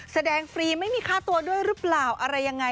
ฟรีไม่มีค่าตัวด้วยหรือเปล่าอะไรยังไง